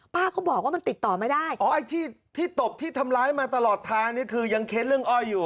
ป้าก็บอกว่ามันติดต่อไม่ได้อ๋อไอ้ที่ที่ตบที่ทำร้ายมาตลอดทางนี่คือยังเค้นเรื่องอ้อยอยู่